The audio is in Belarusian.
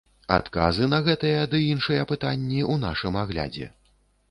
Адказы на гэтыя ды іншыя пытанні ў нашым аглядзе.